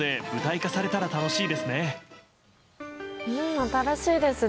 新しいですね。